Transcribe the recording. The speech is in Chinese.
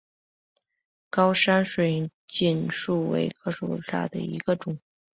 高山水锦树为茜草科水锦树属下的一个种。